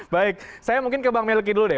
baik saya mungkin ke bang melki dulu deh